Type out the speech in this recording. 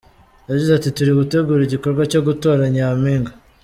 Yagize ati :"Turi gutegura igikorwa cyo gutora nyampinga.